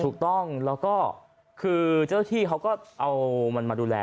ถูกต้องแล้วก็คือเจ้าที่เขาก็เอามันมาดูแล